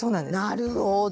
なるほど！